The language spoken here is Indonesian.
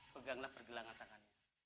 peganglah pergelangan tanganmu